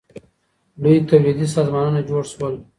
لوی تولیدي سازمانونه جوړ سول.